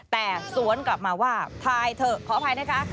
แต่สวนกลับมาว่าถ่ายเถอะขออภัยนะคะ